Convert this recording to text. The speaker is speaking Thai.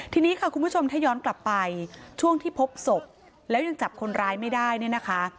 ทีนี้ค่ะคุณผู้ชมถ้าย้อนกลับไปช่วงที่พบศพแล้วยังจับคนร้ายไม่ได้เนี่ยนะคะ